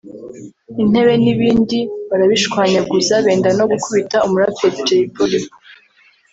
intebe n’ ibindi barabishwanyaguza benda no gukubita Umuraperi Jay polly